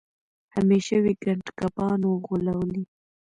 همېشه وي ګنډکپانو غولولی